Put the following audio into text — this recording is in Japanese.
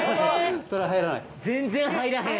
全然入らへん。